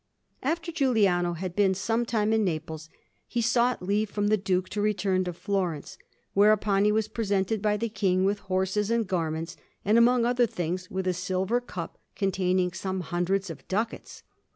After Giuliano had been some time in Naples, he sought leave from the Duke to return to Florence; whereupon he was presented by the King with horses and garments, and, among other things, with a silver cup containing some hundreds of ducats.